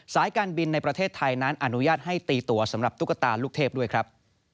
สายการบินในประเทศไทยนั้นอนุญาตให้ตีตัวสำหรับตุ๊กตาลูกเทพด้วยครับ